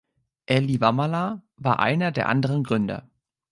Elly Wamala war einer der anderen Gründer.